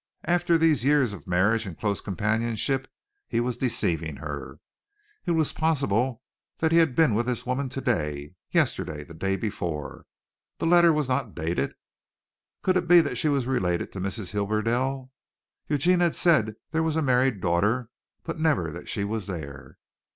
After these years of marriage and close companionship he was deceiving her. It was possible that he had been with this woman today, yesterday, the day before. The letter was not dated. Could it be that she was related to Mrs. Hibberdell? Eugene had said that there was a married daughter, but never that she was there.